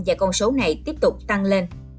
và con số này tiếp tục tăng lên